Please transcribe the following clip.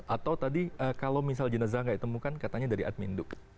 atau tadi kalau misal jenazah nggak ditemukan katanya dari admin duk